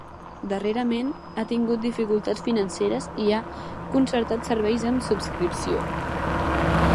Darrerament ha tingut dificultats financeres i ha concertat serveis amb subscripció.